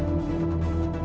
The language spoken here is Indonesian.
aku mau ke rumah